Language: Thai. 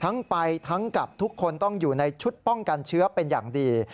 ไปทั้งกับทุกคนต้องอยู่ในชุดป้องกันเชื้อเป็นอย่างดี